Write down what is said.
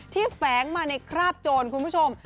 แฝงมาในคราบโจรคุณผู้ชม